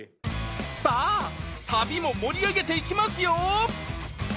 さあサビも盛り上げていきますよ！